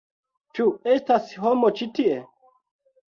Ĉu estas homo ĉi tie?